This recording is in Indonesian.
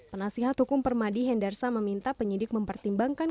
penasihat hukum permadi hendarsa meminta penyidik mempertimbangkan